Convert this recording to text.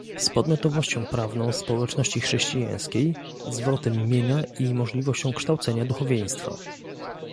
z podmiotowością prawną społeczności chrześcijańskiej, zwrotem mienia i możliwością kształcenia duchowieństwa